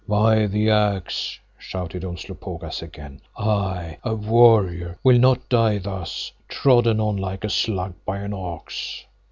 "By the Axe!" shouted Umslopogaas again, "I—a warrior—will not die thus, trodden on like a slug by an ox."